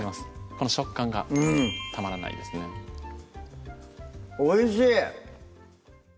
この食感がたまらないですねおいしい！